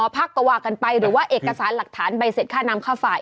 พักก็ว่ากันไปหรือว่าเอกสารหลักฐานใบเสร็จค่าน้ำค่าไฟ